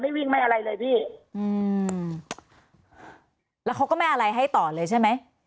วิ่งไม่อะไรเลยพี่อืมแล้วเขาก็ไม่อะไรให้ต่อเลยใช่ไหม